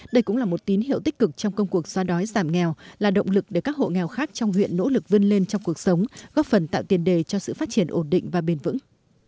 đây cũng là một tín hiệu tích cực trong công cuộc xóa đói giảm nghèo là động lực để các hộ nghèo khác trong huyện nỗ lực vươn lên trong cuộc sống góp phần tạo tiền đề cho sự phát triển ổn định và bền vững